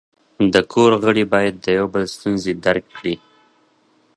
د کور غړي باید د یو بل ستونزې درک کړي.